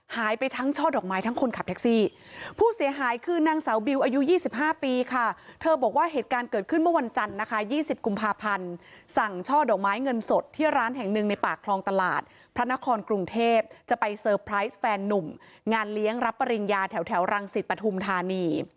หายไปทั้งช่อดอกไม้ทั้งคนขับแท็กซี่ผู้เสียหายคือนางสาวบิวอายุ๒๕ปีค่ะเธอบอกว่าเหตุการณ์เกิดขึ้นเมื่อวันจันทร์นะคะ๒๐กุมภาพันธ์สั่งช่อดอกไม้เงินสดที่ร้านแห่งหนึ่งในปากคลองตลาดพระนครกรุงเทพจะไปเซอร์ไพรส์แฟนนุ่มงานเลี้ยงรับปริญญาแถวแถวรังสิตปฐุมธานี